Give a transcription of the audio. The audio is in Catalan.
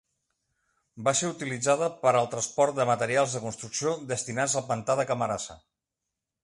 Va ser utilitzada per al transport de materials de construcció destinats al pantà de Camarasa.